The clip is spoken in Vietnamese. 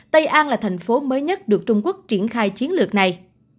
tây an là thành phố mới nhất được trung quốc triển khai chiến lược này